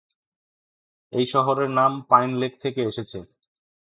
এই শহরের নাম পাইন লেক থেকে এসেছে।